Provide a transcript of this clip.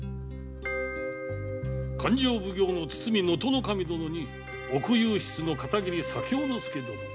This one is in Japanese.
勘定奉行の堤能登守殿に奥右筆の片桐左京亮殿。